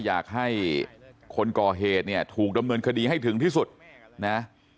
อยากให้คนก่อเหตุเนี่ยถูกดำเนินคดีให้ถึงที่สุดนะ